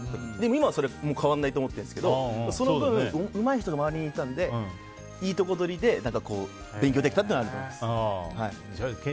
今もそれは変わらないと思ってるんですけどその分、うまい人が周りにいたので、いいとこ取りで勉強できたというのはあると思います。